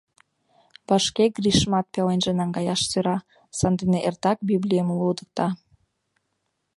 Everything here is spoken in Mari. Вашке Гришымат пеленже наҥгаяш сӧра, сандене эртак библийым лудыкта.